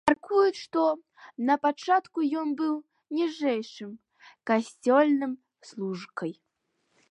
Мяркуюць, што напачатку ён быў ніжэйшым касцёльным служкай.